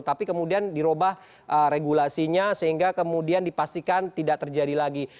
tapi kemudian dirubah regulasinya sehingga kemudian dipastikan tidak terjadi lagi